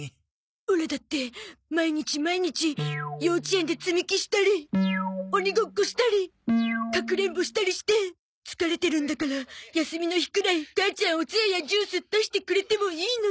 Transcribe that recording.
オラだって毎日毎日幼稚園で積み木したり鬼ごっこしたりかくれんぼしたりして疲れてるんだから休みの日くらい母ちゃんおつややジュース出してくれてもいいのに。